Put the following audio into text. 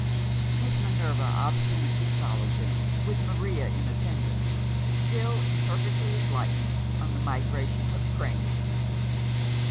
Miss Minerva obstinately followed them, with Maria in attendance, still imperfectly enlightened on the migration of cranes.